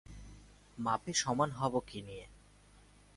মাপে সমান হব কী নিয়ে।